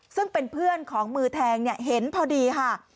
ซึ่งเป็นเพื่อนของมือแทงเห็นพอดีค่ะ